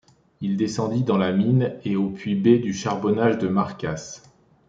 Il descendit dans la mine à au puits B du Charbonnage de Marcasse.